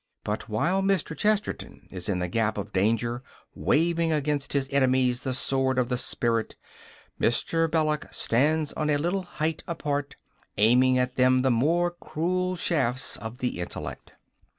But while Mr. Chesterton is in the gap of danger, waving against his enemies the sword of the spirit, Mr. Belloc stands on a little height apart, aiming at them the more cruel shafts of the intellect.